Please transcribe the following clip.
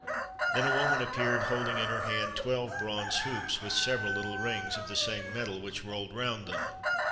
[XXXV 89] Then a woman appeared, holding in her hand twelve bronze hoops, with several little rings of the same metal, which rolled round them.